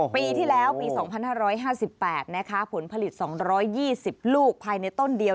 ปีที่แล้วปี๒๕๕๘นะคะผลผลิต๒๒๐ลูกภายในต้นเดียว